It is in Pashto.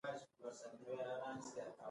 له دې کبله باید څو تنه سره یوځای شي